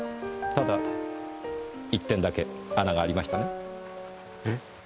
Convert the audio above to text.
ただ一点だけ穴がありましたね。え？